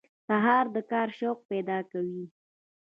سهار د کار شوق پیدا کوي.